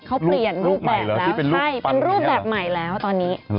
เขาเปลี่ยนรูปแบบแล้วใช่เป็นรูปแบบใหม่แล้วตอนนี้